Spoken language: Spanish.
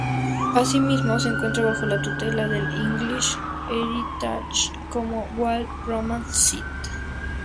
Asimismo, se encuentra bajo la tutela del English Heritage como Wall Roman Site.